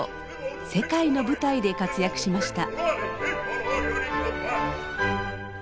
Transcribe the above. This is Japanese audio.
世界の舞台で活躍しました。